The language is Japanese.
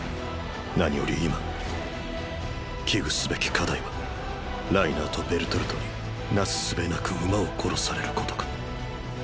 何より今危惧すべき課題はライナーとベルトルトになすすべなく馬を殺されることか。